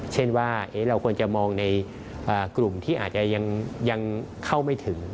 เช่นว่าเราควรจะมองในกลุ่มที่อาจจะยังเข้าไม่ถึง